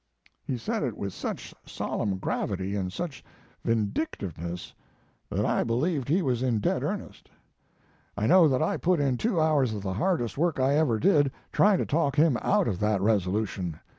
"He said it with such solemn gravity, and such vindictiveness, that I believed he was in dead earnest. "I know that I put in two hours of the hardest work I ever did, trying to talk him out of that resolution.